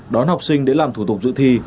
đón học sinh để làm thủ tục giữ thi